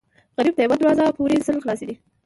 غریب ته یوه دروازه پورې سل خلاصې دي